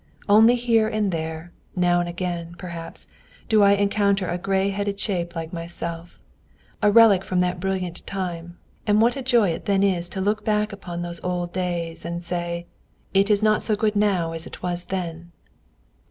Only here and there, now and again, perhaps, do I encounter a grey headed shape like myself, a relic from that brilliant time, and what a joy it then is to look back upon those old days and say: "It is not so good now as it was then!"